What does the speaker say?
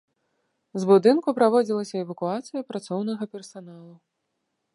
З будынку праводзілася эвакуацыя працоўнага персаналу.